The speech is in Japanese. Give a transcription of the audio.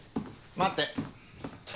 待って。